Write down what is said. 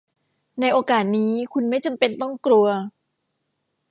ในโอกาสนี้คุณไม่จำเป็นต้องกลัว